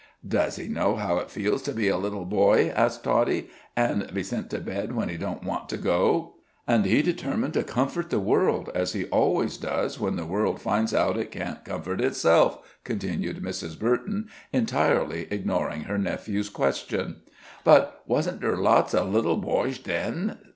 "Does He knows how it feels to be a little boy?" asked Toddie, "an' be sent to bed when He don't want to go?" "And He determined to comfort the world, as He always does when the world finds out it can't comfort itself," continued Mrs. Burton, entirely ignoring her nephew's questions. "But wasn't there lotzh of little boyzh then?"